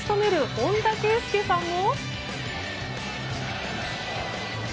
本田圭佑さんも。